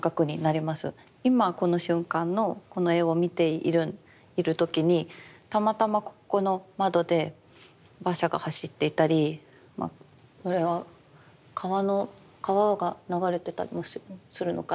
今この瞬間のこの絵を見ている時にたまたまここの窓で馬車が走っていたりこれは川が流れてたりするのかな？